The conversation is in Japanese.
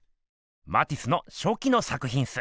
マティスのしょきの作ひんっす。